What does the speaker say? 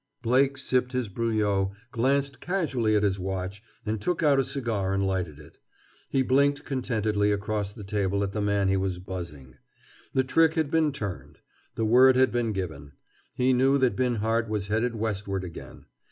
Blake sipped his bruilleau, glanced casually at his watch, and took out a cigar and lighted it. He blinked contentedly across the table at the man he was "buzzing." The trick had been turned. The word had been given. He knew that Binhart was headed westward again.